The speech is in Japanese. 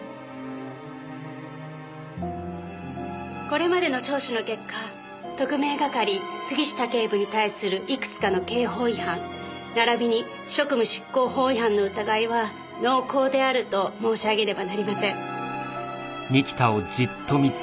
これまでの聴取の結果特命係杉下警部に対するいくつかの刑法違反ならびに職務執行法違反の疑いは濃厚であると申し上げねばなりません。